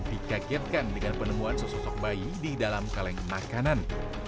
dikagetkan dengan penemuan sesosok bayi di dalam kaleng makanan